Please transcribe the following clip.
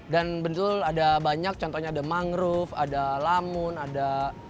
dan betul ada banyak contohnya ada mangrove ada lamun ada